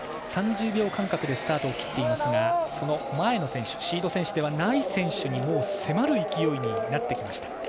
３０秒間隔でスタートを切っていますがその前の選手シード選手ではない選手にもう迫る勢いになってきました。